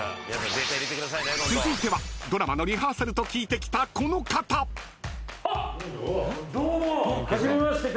［続いてはドラマのリハーサルと聞いて来たこの方］どうも初めまして。